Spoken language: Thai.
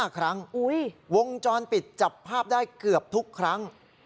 ๕ครั้งวงจรปิดจับภาพได้เกือบทุกครั้ง